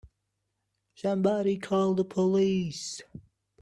Somebody call the police!